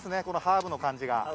このハーブの感じが。